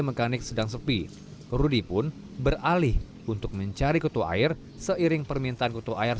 mekanik sedang sepi rudy pun beralih untuk mencari kutu air seiring permintaan kutu air